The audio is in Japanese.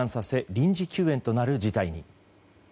臨時休園となる事態に。